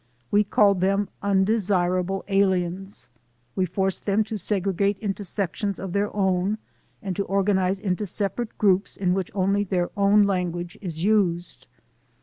We called them "unde sirable aliens," we forced them to segregate into sections of their own and to organize into separate groups in which only their own language is used.